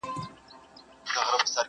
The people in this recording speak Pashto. هره خوا ګورم تیارې دي چي ښکارېږي!!